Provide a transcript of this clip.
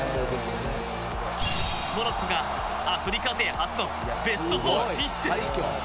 モロッコがアフリカ勢初のベスト４進出。